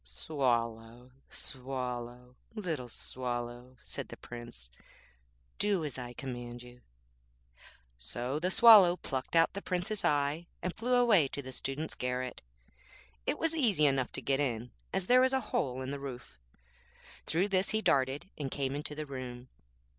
'Swallow, Swallow, little Swallow,' said the Prince, 'do as I command you.' So the Swallow plucked out the Prince's eye, and flew away to the student's garret. It was easy enough to get in, as there was a hole in the roof. Through this he darted, and came into the room.